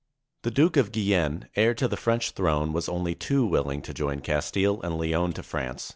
The Duke of Guienne, heir to the French throne, was only too willing to join Castile and Leon to France.